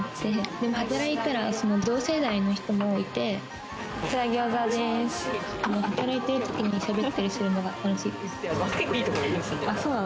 でも働いたら同世代の人もいて、働いてる時にしゃべったりするのが楽しいです。